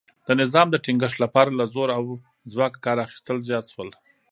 د نظم د ټینګښت لپاره له زور او ځواکه کار اخیستل زیات شول